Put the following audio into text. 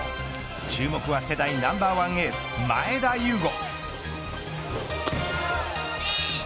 注目は世代ナンバーワンエース前田悠伍。